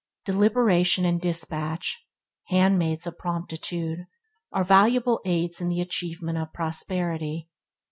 Deliberation and dispatch, handmaids of promptitude, are valuable aids in the achievement of prosperity.